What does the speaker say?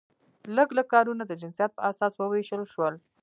لږ لږ کارونه د جنسیت په اساس وویشل شول.